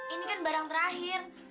ini kan barang terakhir